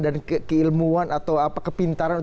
dan keilmuan atau kepintaran